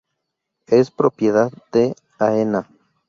Es propiedad de Aena.